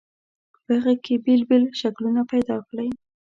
په هغې کې بېل بېل شکلونه پیدا کړئ.